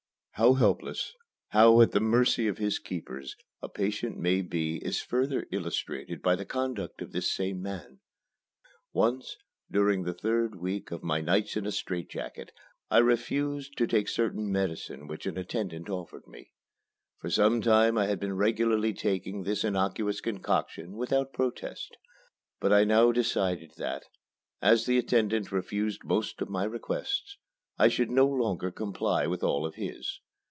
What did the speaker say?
How helpless, how at the mercy of his keepers, a patient may be is further illustrated by the conduct of this same man. Once, during the third week of my nights in a strait jacket, I refused to take certain medicine which an attendant offered me. For some time I had been regularly taking this innocuous concoction without protest; but I now decided that, as the attendant refused most of my requests, I should no longer comply with all of his.